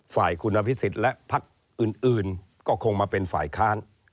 ฝ่ายคุณอภิษฎและพักอื่นก็คงมาเป็นฝ่ายค้าน